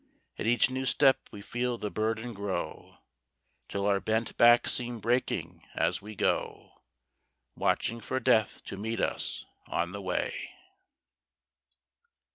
At each new step we feel the burden grow, Till our bent backs seem breaking as we go, Watching for Death to meet us on the way.